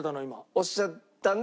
おっしゃったんで。